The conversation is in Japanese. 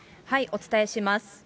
お伝えします。